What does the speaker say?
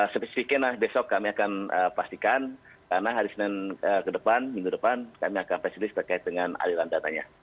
spesifiknya besok kami akan pastikan karena hari senin ke depan minggu depan kami akan presidis terkait dengan aliran datanya